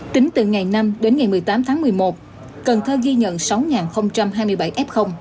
tính từ ngày năm đến ngày một mươi tám tháng một mươi một cần thơ ghi nhận sáu hai mươi bảy f